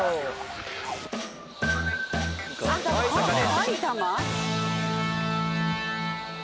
埼玉？